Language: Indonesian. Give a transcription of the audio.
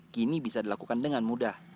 kini bisa dilakukan dengan mudah